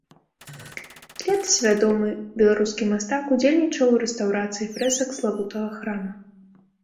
Летась вядомы беларускі мастак удзельнічаў у рэстаўрацыі фрэсак славутага храма.